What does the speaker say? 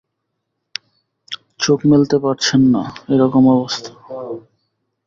চোখ মেলতে পারছেন না, এরকম অবস্থা।